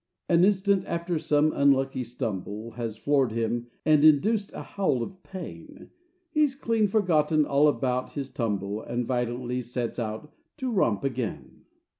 An instant after some unlucky stumble Has floored him and induced a howl of pain, He's clean forgotten all about his tumble And violently sets out to romp again.